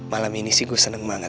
malam ini sih gue seneng banget